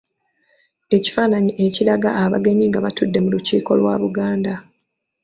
Ekifaananyi ekiraga abagenyi nga batudde mu Lukiiko lwa Buganda.